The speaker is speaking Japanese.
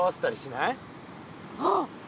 あっ！